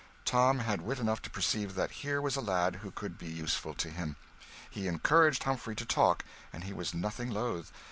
Tom had wit enough to perceive that here was a lad who could be useful to him. He encouraged Humphrey to talk, and he was nothing loath.